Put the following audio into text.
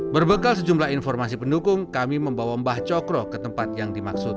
berbekal sejumlah informasi pendukung kami membawa mbah cokro ke tempat yang dimaksud